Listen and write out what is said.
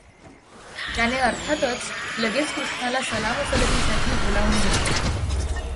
त्यानी अर्थातच लगेच कृष्णाला सल्लामसलतीसाठी बोलावून घेतले.